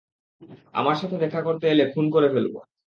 আমার সাথে দেখা করতে এলে খুন করে ফেলব।